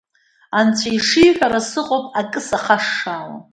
Анцәа ишиҳәара сыҟоуп, акы сахашшаауам!